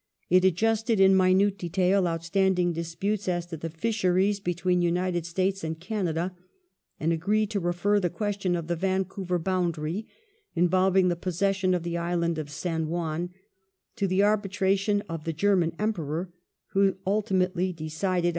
It adjusted in minute detail outstanding disputes as to fisheries between United States and Canada, and agreed to refer the question of the Vancouver bound ary (involving the possession of the Island of San Juan) to the arbitration of the German Emperor, who ultimately decided against 1 C